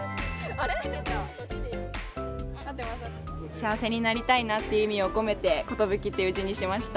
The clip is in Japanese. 「幸せになりたいな」っていう意味を込めて「寿」っていう字にしました。